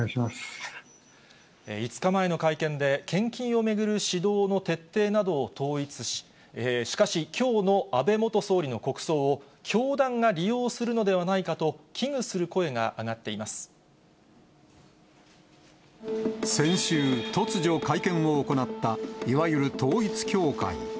５日前の会見で、献金を巡る指導の徹底などを統一し、しかし、きょうの安倍元総理の国葬を、教団が利用するのではないかと危惧する声が上がってい先週、突如会見を行った、いわゆる統一教会。